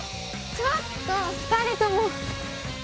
ちょっと、２人とも。